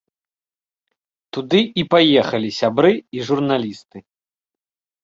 Туды і паехалі сябры і журналісты.